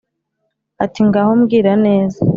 ati"ngaho mbwira neza"